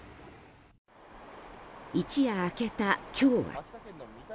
一夜明けた今日は。